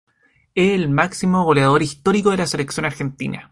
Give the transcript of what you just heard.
Es el máximo goleador histórico de la Selección Argentina.